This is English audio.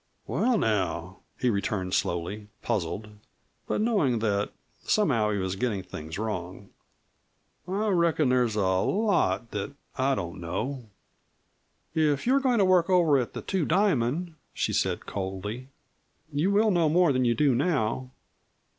"Well, now," he returned slowly, puzzled, but knowing that somehow he was getting things wrong, "I reckon there's a lot that I don't know." "If you are going to work over at the Two Diamond," she said coldly, "you will know more than you do now.